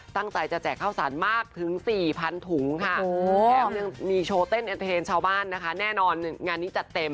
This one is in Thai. แถมนึงมีโชว์เต้นเทรนชาวบ้านนะคะแน่นอนงานนี้จะเต็ม